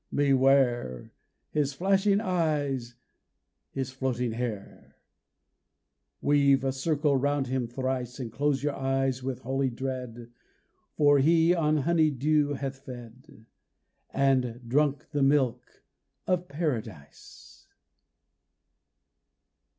Beware! His flashing eyes, his floating hair! RAINBOW GOLD Weave a circle round him thrice, And close your eyes with holy dread For he on honey dew hath fed, And drunk the milk of Paradise.